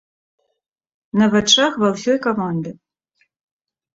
На вачах ва ўсёй каманды.